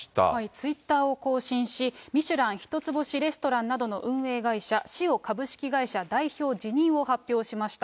ツイッターを更新し、ミシュラン１つ星レストランの運営会社、シオ株式会社代表辞任を発表しました。